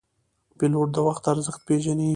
پیلوټ د وخت ارزښت پېژني.